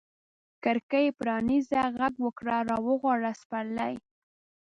کړکۍ پرانیزه، ږغ وکړه را وغواړه سپرلي